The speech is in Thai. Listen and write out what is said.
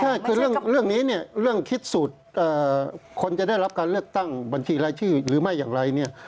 ใช่คือเรื่องนี้เนี่ยเรื่องคิดสูตรคนจะได้รับการเลือกตั้งบัญชีรายชื่อหรือไม่อย่างไรเนี่ย